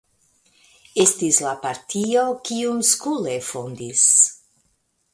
Estis la partio, kiun Skule fondis.